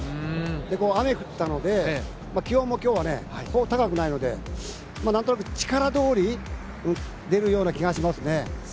雨が降ったので、気温も今日はそう高くないので、何となく力どおり出るような気がしますね。